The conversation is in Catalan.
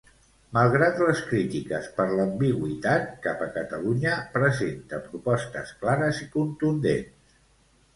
Malgrat les crítiques per l'ambigüitat cap a Catalunya, presenta propostes clares i contundents.